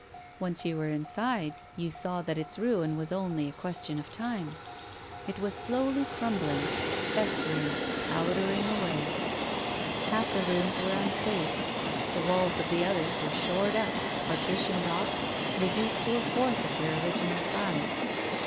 Once you were inside Digitized by Google THE WITNESS 187 you saw that its ruin was only a question of time. It was slowly crumbling, festering, powdering away. Half the rooms were unsafe, the walls of the others were shored up, partitioned off, reduced to a fourth of their original size.